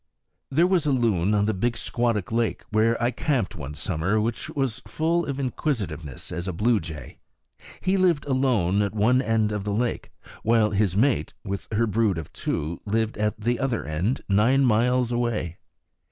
There was a loon on the Big Squattuk lake, where I camped one summer, which was full of inquisitiveness as a blue jay. He lived alone at one end of the lake, while his mate, with her brood of two, lived at the other end, nine miles away.